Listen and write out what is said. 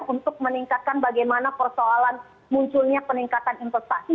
untuk meningkatkan bagaimana persoalan munculnya peningkatan investasi